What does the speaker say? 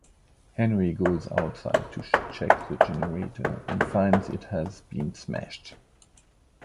Henry goes outside to check the generator and finds it has been smashed.